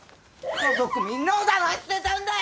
家族みんなをだましてたんだよ！